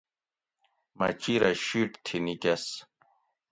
مہ چیرہ شِیٹ تھی نِیکۤس